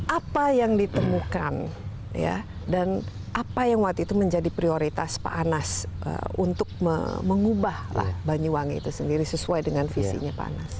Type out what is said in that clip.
apa yang ditemukan dan apa yang waktu itu menjadi prioritas pak anas untuk mengubah banyuwangi itu sendiri sesuai dengan visinya pak anas